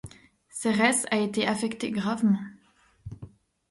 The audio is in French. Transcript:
Ceres a été affectée gravement.